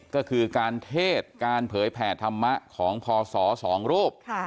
ก็คือการเทศการเผยแผ่ธรรมะของพศ๒รูป